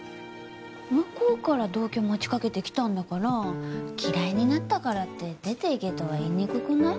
向こうから同居持ちかけてきたんだから嫌いになったからって出ていけとは言いにくくない？